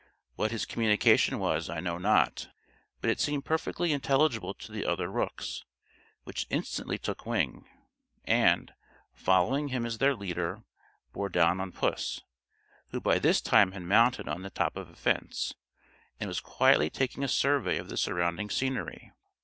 What his communication was, I know not; but it seemed perfectly intelligible to the other rooks, which instantly took wing, and, following him as their leader, bore down on puss, who by this time had mounted on the top of a fence, and was quietly taking a survey of the surrounding scenery.